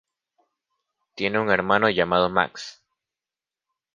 Tiene un hermano llamado Max.